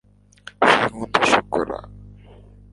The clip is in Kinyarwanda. sinkunda shokora